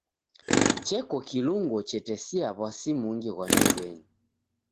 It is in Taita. Cheko kilungo chetesia w'asi mungi ghwa nyumbenyi.